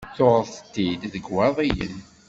Tuɣeḍ-t-id deg Iwaḍiyen?